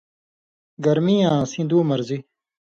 گرمی آں اسیں دُو مرضی